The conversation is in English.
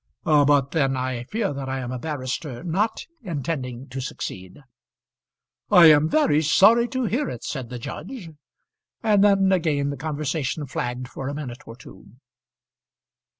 "But then I fear that I am a barrister not intending to succeed." "I am very sorry to hear it," said the judge. And then again the conversation flagged for a minute or two.